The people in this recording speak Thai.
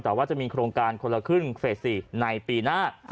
แต่ว่าจะมีโครงการคนละครึ่งเฟส๔ในปีหน้า